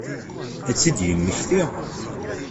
Ad tt-id-yemmekti?